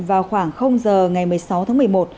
vào khoảng giờ ngày một mươi sáu tháng một mươi một